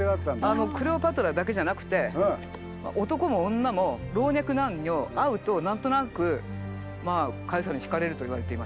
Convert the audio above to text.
クレオパトラだけじゃなくて男も女も老若男女会うと何となくカエサルに引かれるといわれていました。